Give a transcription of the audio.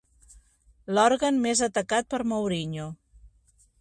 L'òrgan més atacat per Mourinho.